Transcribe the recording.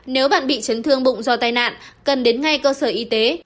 nếu bạn bị chấn thương bụng do tai nạn cần đến ngay cơ sở y tế